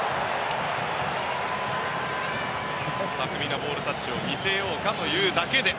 巧みなボールタッチを見せようかというだけで。